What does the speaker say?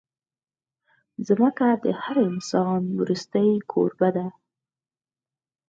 ځمکه د هر انسان وروستۍ کوربه ده.